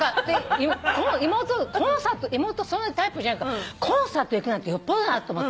でコンサート妹そんなタイプじゃないからコンサート行くなんてよっぽどだと思って。